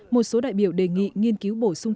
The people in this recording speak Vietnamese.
một số đại biểu đề nghị nghiên cứu bổ sung